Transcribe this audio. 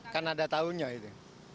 kan ada tahunnya itu